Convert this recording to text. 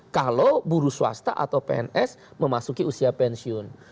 kalau buruh swasta atau pns memasuki usia pensiun